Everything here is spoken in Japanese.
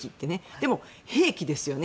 でも兵器ですよね。